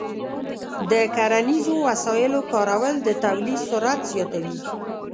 د کرنیزو وسایلو کارول د تولید سرعت زیاتوي.